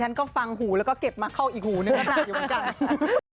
ฉันก็ฟังหูแล้วก็เก็บมาเข้าอีกหูนึงก็นานอยู่เหมือนกัน